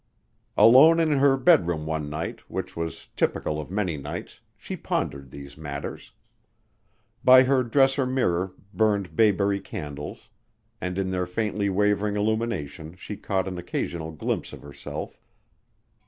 Alone in her bedroom one night, which was typical of many nights, she pondered these matters. By her dresser mirror burned bayberry candles and in their faintly wavering illumination she caught an occasional glimpse of herself.